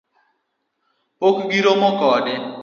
Pok giromo kode